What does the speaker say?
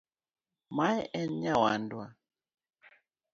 Mae en nyawadwa.